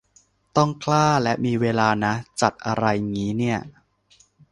ต้องกล้าและมีเวลานะ จัดอะไรงี้เนี่ย